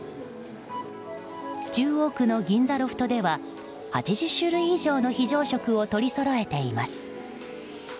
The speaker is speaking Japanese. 中央区の銀座ロフトでは８０種類以上の非常食を取りそろえています。